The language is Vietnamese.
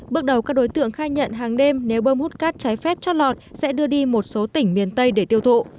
bước đầu các đối tượng khai nhận hàng đêm nếu bơm hút cát trái phép cho lọt sẽ đưa đi một số tỉnh miền tây để tiêu thụ